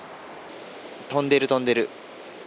飛んでる、飛んでる。